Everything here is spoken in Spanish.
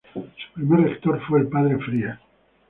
Su primer rector fue el padre Frías.